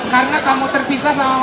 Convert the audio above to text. karena kamu terpisah sama mama kamu